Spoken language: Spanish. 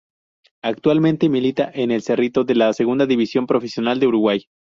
Actualmente milita en el Cerrito de la Segunda División Profesional de Uruguay.